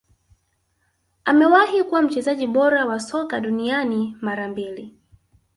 Amewahi kuwa mchezaji bora wa soka duniani mara mbili